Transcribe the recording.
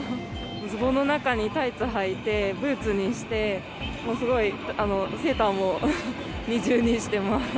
ズボンの中にタイツはいて、ブーツにして、もうすごい、セーターも二重にしてます。